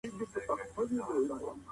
ځینې وختونه میاشتې بې له شعره تېرېږي.